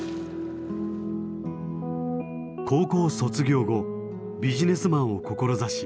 高校卒業後ビジネスマンを志し